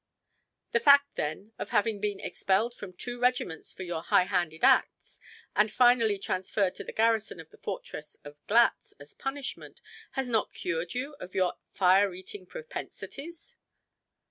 "The fact, then, of having been expelled from two regiments for your highhanded acts, and finally transferred to the garrison of the fortress of Glatz as punishment, has not cured you of your fire eating propensities?"